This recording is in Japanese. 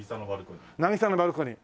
『渚のバルコニー』。